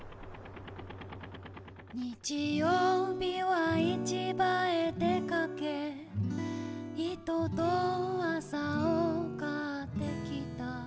「日曜日は市場へ出かけ」「糸と麻を買ってきた」